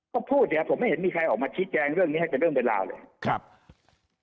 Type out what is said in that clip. เค้าพูดเนี่ยผมไม่เห็นมีใครออกมาชี้แจงเรื่องนี้ให้เสร็จเรื่องเวลาเลย